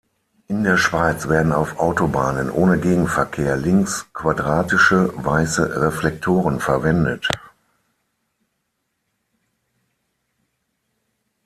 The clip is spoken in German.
In der Schweiz werden auf Autobahnen ohne Gegenverkehr links quadratische, weiße Reflektoren verwendet.